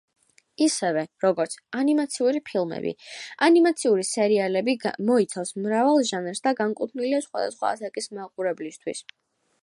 ისევე, როგორც ანიმაციური ფილმები, ანიმაციური სერიალები მოიცავს მრავალ ჟანრს და განკუთვნილია სხვადასხვა ასაკის მაყურებლისთვის.